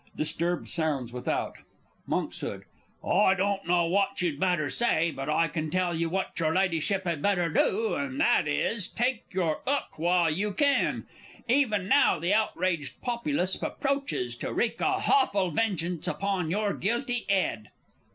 [Disturbed sounds without. Monks. I don't know what you'd better say, but I can tell you what your Ladyship had better do and that is, take your 'ook while you can. Even now the outraged populace approaches, to wreak a hawful vengeance upon your guilty 'ed!